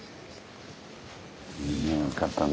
いいねよかったね